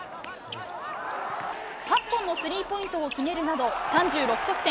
８本のスリーポイントを決めるなど３６得点。